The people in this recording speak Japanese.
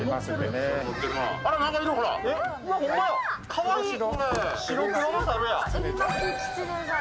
かわいい。